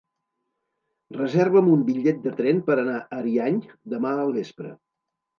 Reserva'm un bitllet de tren per anar a Ariany demà al vespre.